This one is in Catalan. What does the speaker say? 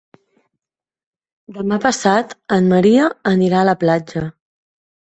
Demà passat en Maria anirà a la platja.